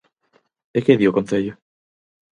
E que di o concello?